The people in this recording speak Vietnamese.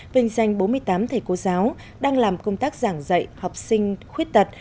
vinh danh bốn mươi tám thầy cô giáo đang làm công tác giảng dạy học sinh khuyết tật